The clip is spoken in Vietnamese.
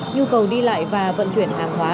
nhu cầu đi lại và vận chuyển hàng hóa